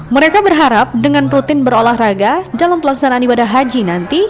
mereka berharap dengan rutin berolahraga dalam pelaksanaan ibadah haji nanti